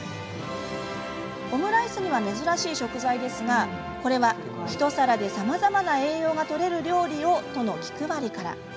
オムライスには珍しい食材ですがこれは一皿でさまざまな栄養がとれる料理を、との気配りから。